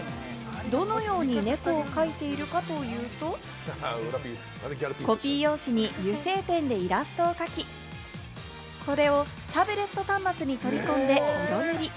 どのように猫を描いているかというと、コピー用紙に油性ペンでイラストを描き、それをタブレット端末に取り込んで色塗り。